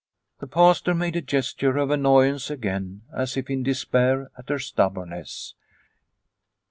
The Pastor made a gesture of annoyance again as if in despair at her stubbornness.